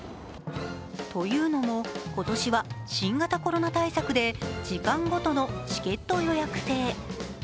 というのも、今年は新型コロナ対策で時間ごとのチケット予約制。